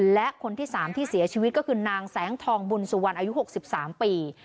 และคนที่๓ที่เสียชีวิตก็คือนางแสงทองบุญสุวรรณอายุ๖๓ปี